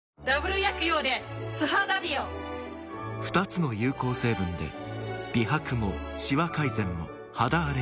２つの有効成分で美白もシワ改善も肌あれにも。